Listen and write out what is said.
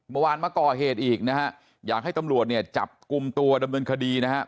มาก่อเหตุอีกนะฮะอยากให้ตำรวจเนี่ยจับกลุ่มตัวดำเนินคดีนะฮะ